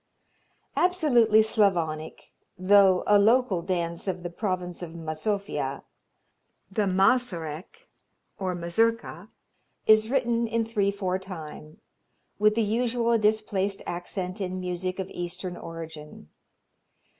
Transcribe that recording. Absolutely Slavonic, though a local dance of the province of Mazovia, the Mazurek or Mazurka, is written in three four time, with the usual displaced accent in music of Eastern origin.